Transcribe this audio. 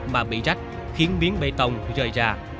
mà bị rách khiến miếng bê tông rời ra